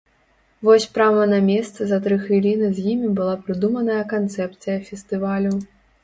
Вось прама на месцы за тры хвіліны з імі была прыдуманая канцэпцыя фестывалю.